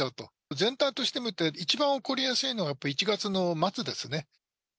全体として見ると、一番起こりやすいのは１月の末ですね。